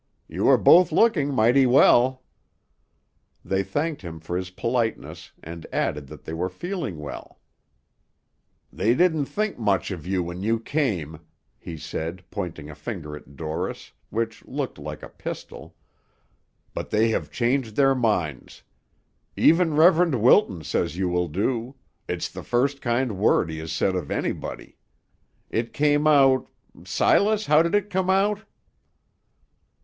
You are both looking mighty well." They thanked him for his politeness, and added that they were feeling well. "They didn't think much of you when you came," he said, pointing a finger at Dorris, which looked like a pistol, "but they have changed their minds. Even Reverend Wilton says you will do; it's the first kind word he ever said of anybody. It came out Silas, how did it come out?"